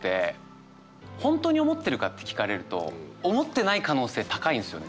本当に思ってるかって聞かれると思ってない可能性高いんですよね